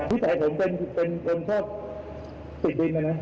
พี่สายผมเป็นคนชอบติดบินนะนะ